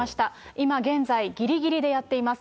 今現在、ぎりぎりでやっています。